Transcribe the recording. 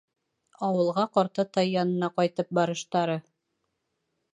Ауылға ҡартатай янына ҡайтып барыштары.